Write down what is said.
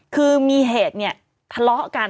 คือมีเหตุทะเลาะกัน